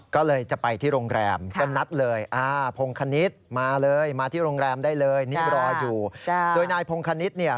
ก็เลยจะไปที่โรงแรมก็นัดเลย